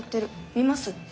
見ます？